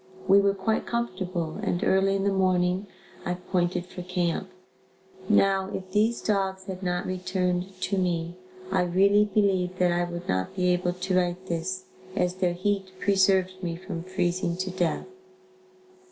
We were quite comfortable and early in the morning, I pointed for camp. Now if these dogs had not returned to me, I really believe that I would not be able to write this, as their heat preserved me from freezing to death.